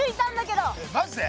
マジで！？